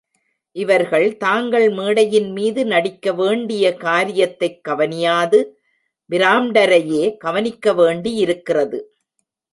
இவர்கள் தாங்கள் மேடையின்மீது நடிக்க வேண்டிய காரியத்தைக் கவனியாது, பிராம்டரையே கவனிக்க வேண்டியிருக்கிறது.